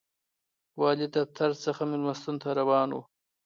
والي دفتر څخه مېلمستون ته روان و.